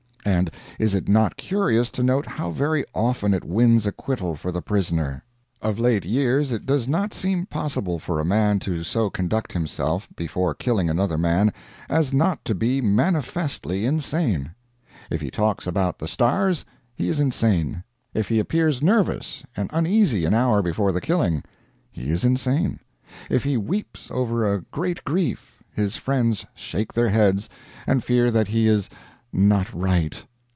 And is it not curious to note how very often it wins acquittal for the prisoner? Of late years it does not seem possible for a man to so conduct himself, before killing another man, as not to be manifestly insane. If he talks about the stars, he is insane. If he appears nervous and uneasy an hour before the killing, he is insane. If he weeps over a great grief, his friends shake their heads, and fear that he is "not right."